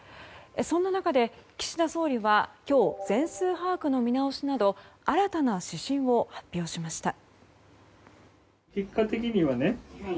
そんな中で岸田総理は今日、全数把握の見直しなど新たな指針を発表しました。